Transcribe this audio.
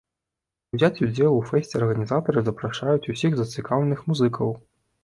Узяць удзел у фэсце арганізатары запрашаюць усіх зацікаўленых музыкаў!